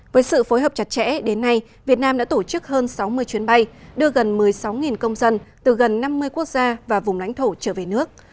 với sự phối hợp chặt chẽ đến nay việt nam đã tổ chức hơn sáu mươi chuyến bay đưa gần một mươi sáu công dân từ gần năm mươi quốc gia và vùng lãnh thổ trở về nước